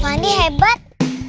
suara apaan tuh